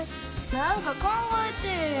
何か考えてえや。